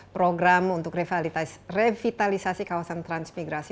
program untuk revitalisasi kawasan transmigrasi